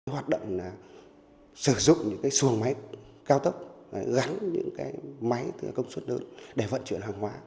hoạt động sử dụng những cái xuồng máy cao tốc gắn những cái máy từ công suất lớn để vận chuyển hàng hóa